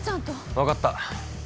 分かった。